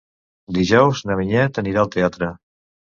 Dijous na Vinyet anirà al teatre.